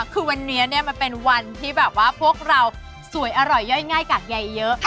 คือวันนี้เนี่ยมันเป็นวันที่แบบว่าพวกเราสวยอร่อยย่อยง่ายกากใยเยอะ